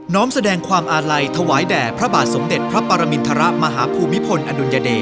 ้อมแสดงความอาลัยถวายแด่พระบาทสมเด็จพระปรมินทรมาฮภูมิพลอดุลยเดช